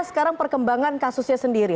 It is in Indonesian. sekarang perkembangan kasusnya sendiri